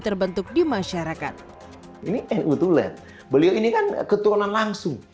terbentuk di masyarakat ini betul ya beliau ini kan keturunan langsung